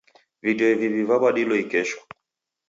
Vidoi viw'i vaw'adilo ikesho.